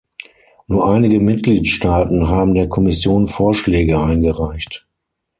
Nur einige Mitgliedstaaten haben der Kommission Vorschläge eingereicht.